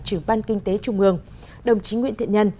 trưởng ban kinh tế trung ương đồng chí nguyễn thiện nhân